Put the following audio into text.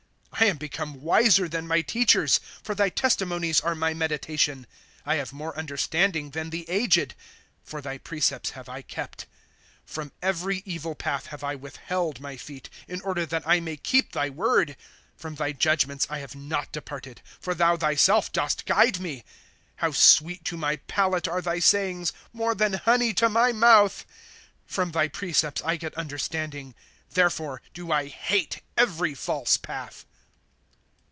99 I am become wiser than my teachers ; For thy testimonies are my meditation. I have more understanding than the aged ; For thy precepts have I kept. From every evil path have I withheld my feet, In order that I may keep thy word. From thy judgments I have not departed, For thon thyself dost guide me. How sweet to my palate are thy sayings ; More than honey to my mouth! From thy precepts T get understanding ; Therefore do I hate every false path.